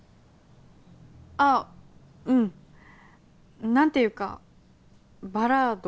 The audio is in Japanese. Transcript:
あっうんなんていうかバラード？